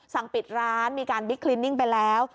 สั่งปิดร้านมีการบิ๊กคลินิ่งไปแล้ว